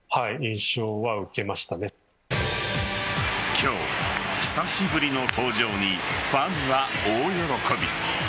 今日、久しぶりの登場にファンは大喜び。